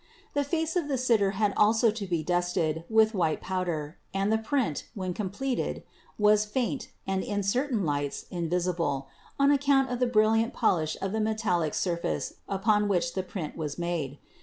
The face of the sitter had also to be dusted with white pow der, and the print, when completed, was faint, and in cer tain lights invisible, on account of the brilliant polish of the metallic surface upon which the print was made.